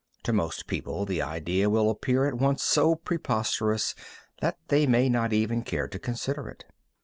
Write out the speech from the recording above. To most people the idea will appear at once so preposterous that they may not even care to consider it.